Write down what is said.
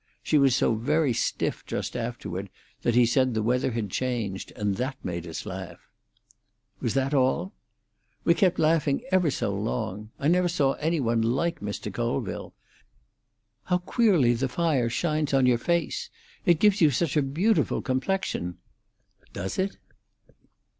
She was so very stiff just afterward that he said the weather had changed, and that made us laugh." "Was that all?" "We kept laughing ever so long. I never saw any one like Mr. Colville. How queerly the fire shines on your face! It gives you such a beautiful complexion." "Does it?"